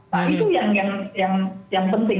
nah itu yang penting